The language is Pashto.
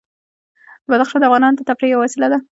بدخشان د افغانانو د تفریح یوه وسیله ده.